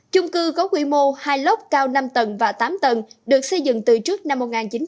chung cư có quy mô hai lốc cao năm tầng và tám tầng được xây dựng từ trước năm một nghìn chín trăm bảy mươi